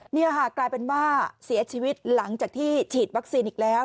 นี่ค่ะกลายเป็นว่าเสียชีวิตหลังจากที่ฉีดวัคซีนอีกแล้ว